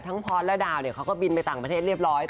พอร์ตและดาวเขาก็บินไปต่างประเทศเรียบร้อย